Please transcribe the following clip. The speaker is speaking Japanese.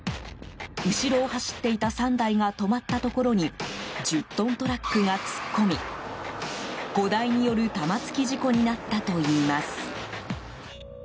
後ろを走っていた３台が止まったところに１０トントラックが突っ込み５台による玉突き事故になったといいます。